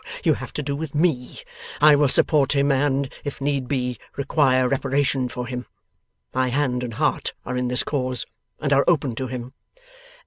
You have to do with me. I will support him, and, if need be, require reparation for him. My hand and heart are in this cause, and are open to him.